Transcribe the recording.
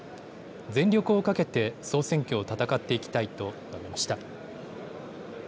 全力をかけて、総選挙を戦っていきたいと述べました。